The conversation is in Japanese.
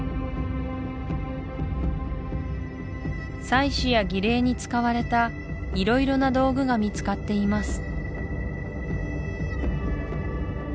祭祀や儀礼に使われた色々な道具が見つかっています